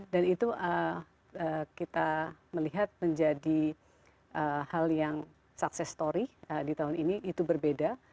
dan itu kita melihat menjadi hal yang sukses story di tahun ini itu berbeda